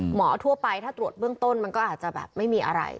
ทั่วไปถ้าตรวจเบื้องต้นมันก็อาจจะแบบไม่มีอะไร